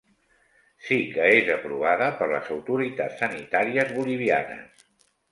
Sí que és aprovada per les autoritats sanitàries Bolivianes.